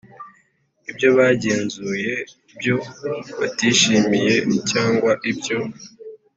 ibyo bagenzuye ibyo batishimiye cyangwa ibyo